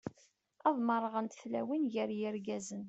Ad merrɣent tlawin gar yirgazen.